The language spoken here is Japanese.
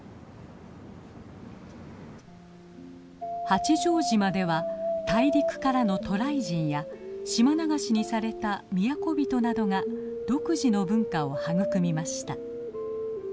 八丈島では大陸からの渡来人や島流しにされた都人などが独自の文化を育みました。